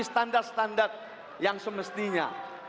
kita sudah memenuhi standar standar yang semestinya